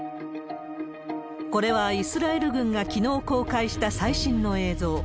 これはイスラエル軍がきのう公開した最新の映像。